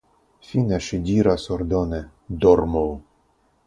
Fine ŝi diras ordone: Dormu!